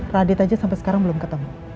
radit aja sampai sekarang belum ketemu